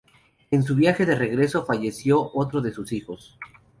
En su viaje de regreso falleció otro de sus hijos.